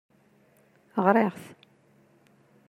Ɣriɣ-t.